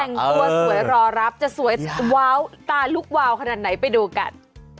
แต่งตัวสวยรอรับจะสวยว้าวตาลุกวาวขนาดไหนไปดูกัน